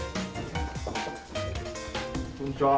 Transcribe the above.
こんにちは。